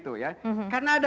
ya saya kira begitu ya